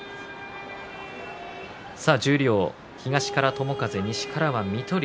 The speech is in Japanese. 十両、東から友風西からは水戸龍。